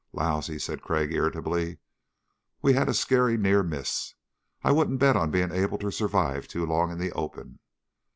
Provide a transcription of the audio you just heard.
"Lousy," said Crag irritably. "We've had a scary near miss. I wouldn't bet on being able to survive too long in the open.